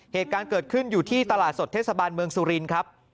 เหตุการณ์เกิดขึ้นอยู่ที่ตลาดสดเทศบาลเมืองสุรินครับ